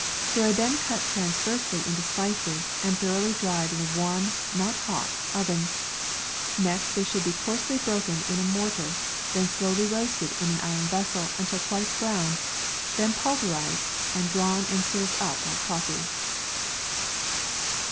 They are then cut transversely into slices, and thoroughly dried in a warm, not hot oven : next they should be coarsely broken in a mortar ; then slowly roasted in an iron vessel, until quite brown ; then pulverized, and drawn and served up like coffee.